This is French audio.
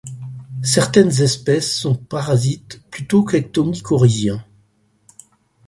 Certaines espèces sont parasites plutôt qu'ectomycorhiziens.